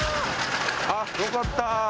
あっよかった。